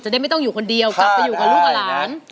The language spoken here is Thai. จะได้ไม่ต้องอยู่คนเดียวจัดไปอยู่กับลูกก่อนร้าน